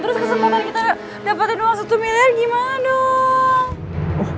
terus kesempatan kita dapetin uang satu miliar gimana